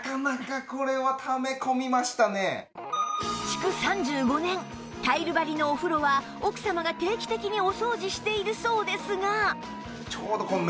築３５年タイル張りのお風呂は奥様が定期的にお掃除しているそうですが